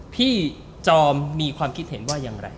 พี่จอมมีความคิดเห็นว่าอย่างไร